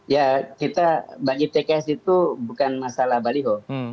ya bagi tks itu bukan masalah baliho